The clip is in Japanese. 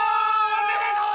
おめでとう！